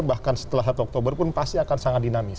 bahkan setelah satu oktober pun pasti akan sangat dinamis